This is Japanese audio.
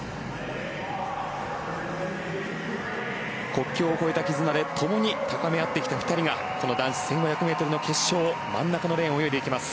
国境を超えた絆でともに高め合ってきた２人がこの男子１５００ｍの決勝真ん中のレーンを泳いでいきます。